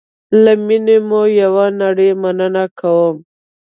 له میني مو یوه نړی مننه کوم